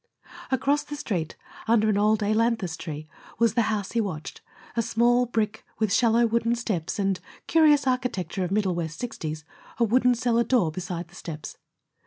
Across the Street, under an old ailanthus tree, was the house he watched, a small brick, with shallow wooden steps and curious architecture of Middle West sixties a wooden cellar door beside the steps.